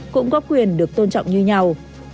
cũng có quyền được tôn trọng như nhau